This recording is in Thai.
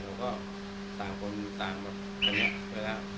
เขาก็ต่างคนต่างแบบกันเนี้ยเวลา